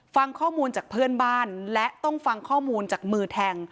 ฟังข้อมูลจากเพื่อนบ้านและต้องฟังข้อมูลจากมือแทง